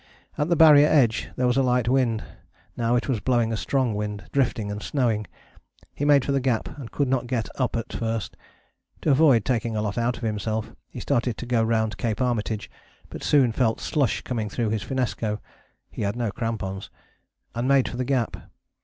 At the Barrier edge there was a light wind, now it was blowing a strong wind, drifting and snowing. He made for the Gap and could not get up at first. To avoid taking a lot out of himself he started to go round Cape Armitage; but soon felt slush coming through his finnesko (he had no crampons) and made back for the Gap.